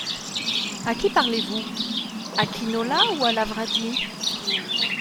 À qui parlez-vous ? à Quinola ou à Lavradi !